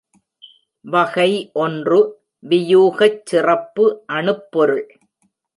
வகை ஒன்று, வியூகச் சிறப்பு அணுப் பொருள்.